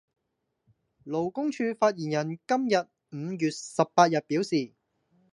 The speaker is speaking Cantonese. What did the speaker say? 勞工處發言人今日（五月十八日）表示